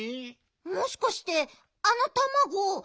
もしかしてあのたまごあたし？